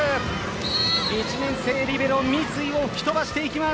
１年生、リベロ・光井を吹き飛ばしていきます。